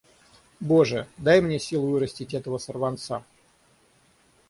Боже, дай мне сил вырастить этого сорванца!